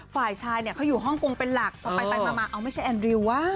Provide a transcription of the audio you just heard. ฝ่ายชายเนี่ยเขาอยู่ฮ่องกงเป็นหลักพอไปมาเอาไม่ใช่แอนดริวะ